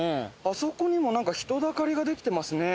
あそこにもなんか人だかりができてますね。